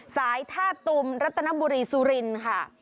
สายท่าตุมรัตนบุรีสุรินทร์ค่ะ